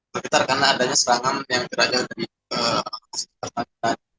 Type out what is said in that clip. bergetar karena adanya serangan yang terjadi